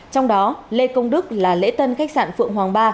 trong đó lê công đức là lễ tân khách sạn phượng hoàng ba